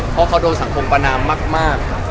เพราะเขาโดนสังคมประนามมาก